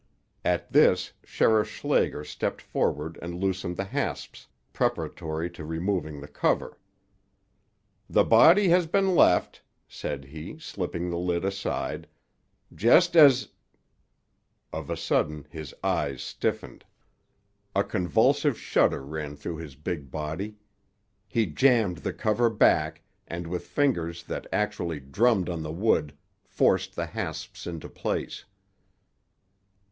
At this, Sheriff Schlager stepped forward and loosened the hasps, preparatory to removing the cover. "The body has been left," said he, slipping the lid aside, "just as—" Of a sudden, his eyes stiffened. A convulsive shudder ran through his big body. He jammed the cover back, and, with fingers that actually drummed on the wood, forced the hasps into place.